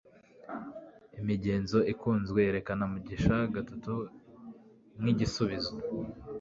Imigenzo ikunzwe yerekana Mugisha III nkigisubizo